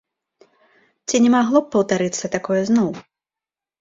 Ці не магло б паўтарыцца такое зноў?